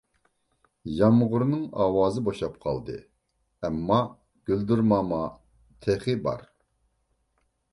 يامغۇرنىڭ ئاۋازى بوشاپ قالدى، ئەمما گۈلدۈرماما تېخى بار.